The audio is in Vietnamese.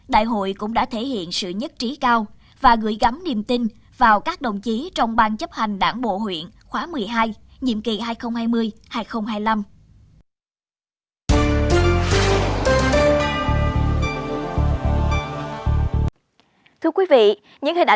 đại hội cũng đã thể hiện sự nhất trí cao và gửi gắm niềm tin vào các đồng chí trong ban chấp hành đảng bộ huyện khóa một mươi hai